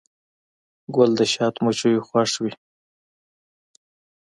ګل د شاتو مچیو خوښ وي.